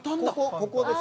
ここです。